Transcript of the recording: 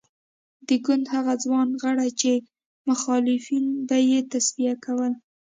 د ګوند هغه ځوان غړي چې مخالفین به یې تصفیه کول.